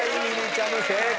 ちゃむ正解！